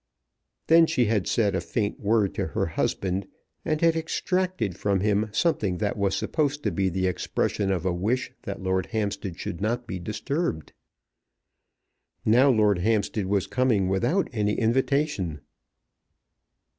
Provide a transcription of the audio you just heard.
Then she had said a faint word to her husband, and had extracted from him something that was supposed to be the expression of a wish that Lord Hampstead should not be disturbed. Now Lord Hampstead was coming without any invitation.